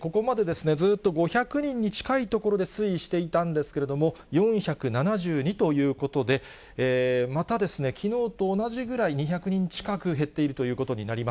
ここまで、ずっと５００人に近いところで推移していたんですけれども、４７２ということで、またですね、きのうと同じぐらい、２００人近く、減っているということになります。